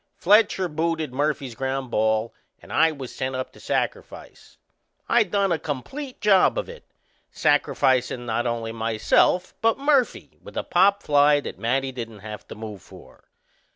Fletcher booted Murphy's ground ball and I was sent up to sacrifice. I done a complete job of it sacrificin' not only myself but Murphy with a pop fly that Matty didn't have to move for.